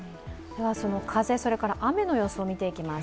その風、それから雨の予想を見ていきます。